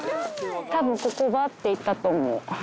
たぶん、ここばーっと行ったと思う。